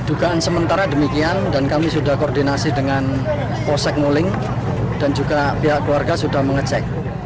dugaan sementara demikian dan kami sudah koordinasi dengan posek nguling dan juga pihak keluarga sudah mengecek